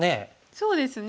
そうですね。